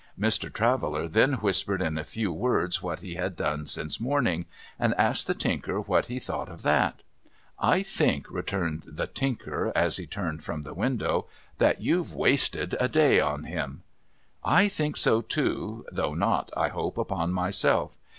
Mr. Traveller then whispered in few words what he had done since morning ; and asked the Tinker what he thought of that ?' I think,' returned the Tinker, as he turned from the window, ' that you've wasted a day on him.' ' I think so too ; though not, I hope, upon myself.